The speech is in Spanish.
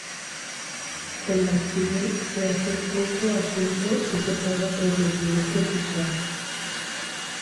El alquiler se hace punto a punto y se paga por los minutos usados.